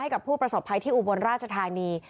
กับผู้ประสบภัยที่อุบลราชธานี